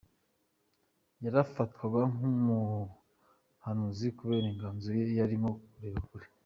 yarafatwaga nkumuhanuzi kubera inganzo ye yarimo kureba kure.